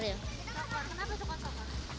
kenapa suka soccer